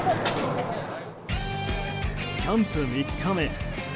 キャンプ３日目。